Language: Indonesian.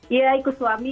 iya ikut suami